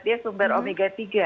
dia sumber omega tiga